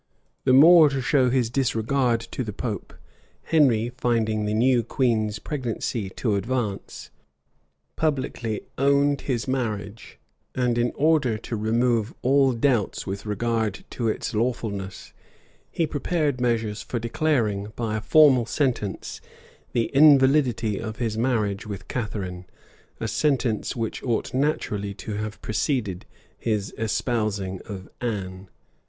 [*] The more to show his disregard to the pope, Henry, finding the new queen's pregnancy to advance, publicly owned his marriage; and in order to remove all doubts with regard to its lawfulness, he prepared measures for declaring, by a formal sentence, the invalidity of his marriage with Catharine; a sentence which ought naturally to have preceded his espousing of Anne.